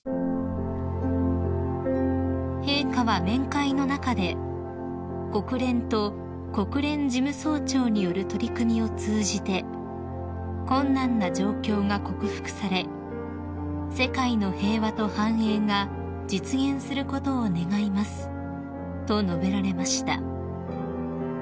［陛下は面会の中で「国連と国連事務総長による取り組みを通じて困難な状況が克服され世界の平和と繁栄が実現することを願います」と述べられました］